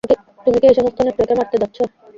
তুমি কি এই সমস্ত নেকড়ে কে মারতে যাচ্ছো?